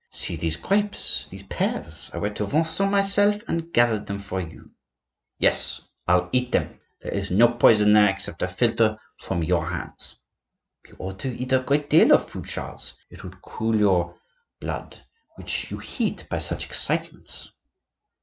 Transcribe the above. "See these grapes, these pears; I went to Vincennes myself and gathered them for you." "Yes, I'll eat them; there is no poison there except a philter from your hands." "You ought to eat a great deal of fruit, Charles; it would cool your blood, which you heat by such excitements."